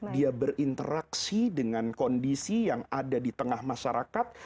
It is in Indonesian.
dia berinteraksi dengan kondisi yang ada di tengah masyarakat